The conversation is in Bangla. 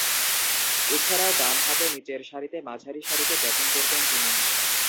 এছাড়াও, ডানহাতে নিচেরসারিতে মাঝারিসারিতে ব্যাটিং করতেন তিনি।